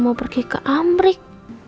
mau pergi ke amrik